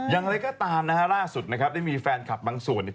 อย่างไรก็ตามล่าสุดได้มีแฟนคลับบางส่วน